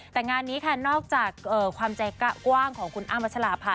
แต่งานนี้ค่ะนอกจากความใจกว้างของคุณอ้ำพัชราภา